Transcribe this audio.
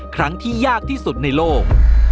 ครั้งที่ยากที่สุดในโลก